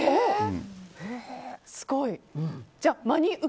すごい。